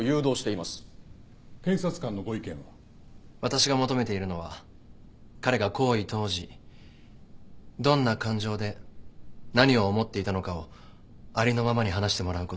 私が求めているのは彼が行為当時どんな感情で何を思っていたのかをありのままに話してもらうことです。